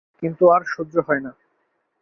কিন্তু আর সহ্য হয় না।